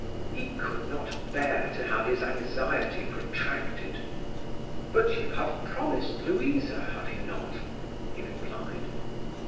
He could not bear to have his anxiety protracted. "But you have promised Louisa, have you not?" he replied.